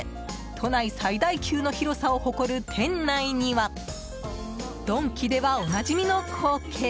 都内最大級の広さを誇る店内にはドンキでは、おなじみの光景！